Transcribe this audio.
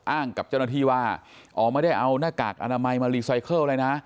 อ้างกับเจ้าหน้าที่ว่าอ๋อไม่ได้เอาหน้ากากอนามัยมารีไซเคิลอะไรนะ